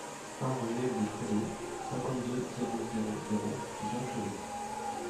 un ruelle des Prélots, cinquante-deux, zéro zéro zéro, Jonchery